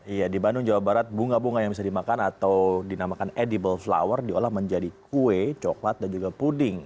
iya di bandung jawa barat bunga bunga yang bisa dimakan atau dinamakan edible flower diolah menjadi kue coklat dan juga puding